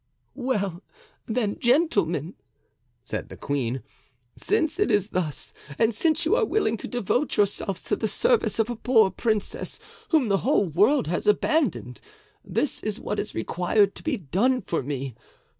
"Well, then, gentlemen," said the queen, "since it is thus, and since you are willing to devote yourselves to the service of a poor princess whom the whole world has abandoned, this is what is required to be done for me.